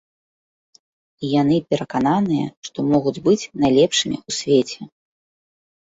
І яны перакананыя, што могуць быць найлепшымі ў свеце.